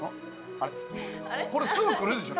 これすぐくるでしょ？